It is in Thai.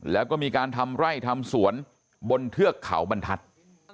แล้วก็มีการทำไร่ทำสวนบนเทือกเขาบรรทัศน์